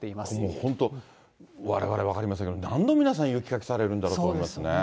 本当、われわれ分かりませんけど、何度皆さん、雪かきされるんだろうと思いますね。